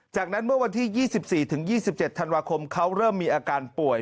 จากนั้นเมื่อวันที่๒๔๒๗ธันวาคมเขาเริ่มมีอาการป่วย